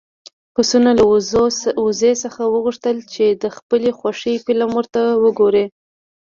پسونه له وزې څخه وغوښتل چې د خپلې خوښې فلم ورته وګوري.